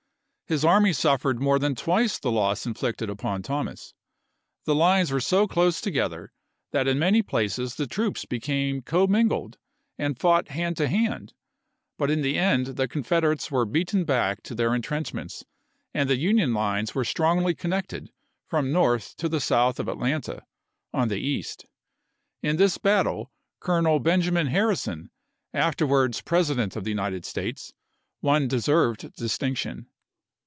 His army suffered more than twice the loss inflicted upon Thomas. The lines were so close together that in many places the troops became commingled and fought hand to hand ; but in the end the Con federates were beaten back to their intrenchments and the Union lines were strongly connected from the north to the south of Atlanta, on the east. In this battle, Colonel Benjamin Harrison, afterwards President of the United States, won deserved dis tinction.